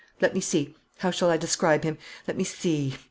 Let me see: how shall I describe him? Let me see.